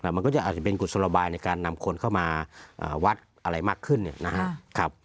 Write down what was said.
มันก็จะอาจจะเป็นกุศลบายในการนำคนเข้ามาวัดอะไรมากขึ้นนะครับ